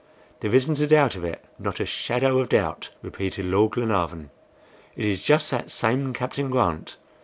"There isn't a doubt of it, not a shadow of doubt," repeated Lord Glenarvan. "It is just that same Captain Grant.